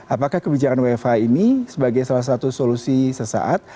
apakah kebijakan wfh ini sebagai salah satu solusi sesaat